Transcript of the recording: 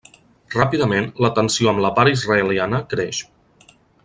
Ràpidament, la tensió amb la part israeliana creix.